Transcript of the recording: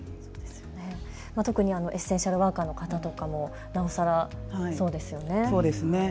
特にエッセンシャルワーカーの方とかは、なおさらでしょうね。